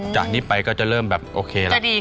จากนี้ไปก็จะเริ่มแบบโอเคแล้ว